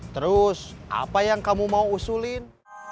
terus apa yang kamu mau usulin